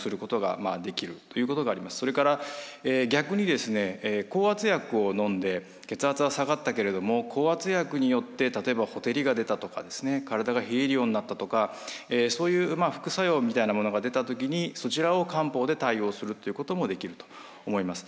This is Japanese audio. それから逆に降圧薬をのんで血圧は下がったけれども降圧薬によって例えばほてりが出たとか体が冷えるようになったとかそういう副作用みたいなものが出た時にそちらを漢方で対応するっていうこともできると思います。